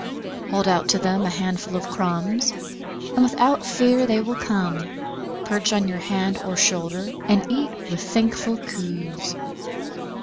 Hold out to them a handful of crumbs and without fear they will come, perch on your hand or shoulder and eat with thankful coos.